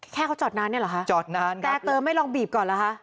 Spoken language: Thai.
แค่เขาจอดนานเนี่ยเหรอคะจอดนานแต่เติมไม่ลองบีบก่อนเหรอคะ